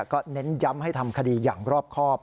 ก็เน้นย้ำให้ทำคดีอย่างรอบครอบ